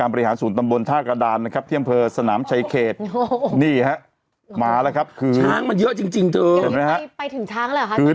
นี่ฮะมาแล้วครับช้างมันเยอะจริงจริงเธอ